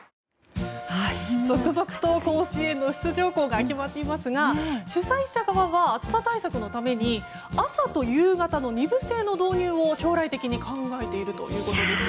続々と甲子園の出場校が決まっていますが主催者からは暑さ対策のために朝と夕方の２部制の導入を将来的に考えているということです。